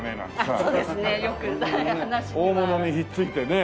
大物にひっついてね。